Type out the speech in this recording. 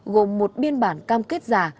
gồm một biên bản cam kết giả